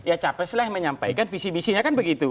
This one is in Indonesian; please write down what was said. ya capres lah yang menyampaikan visi misinya kan begitu